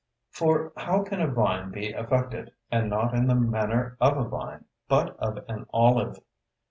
For how can a vine be affected, and not in the manner of a vine, but of an olive?